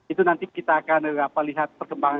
itu nanti kita akan lihat perkembangan